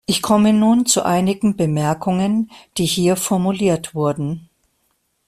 Ich komme nun zu einigen Bemerkungen, die hier formuliert wurden.